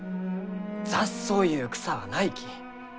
雑草ゆう草はないき。